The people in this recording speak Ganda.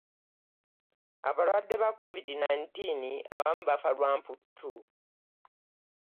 Abalwadde ba covid nineteen abamu bafa lwa mputtu.